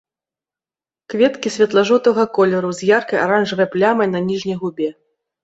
Кветкі светла-жоўтага колеру, з яркай аранжавай плямай на на ніжняй губе.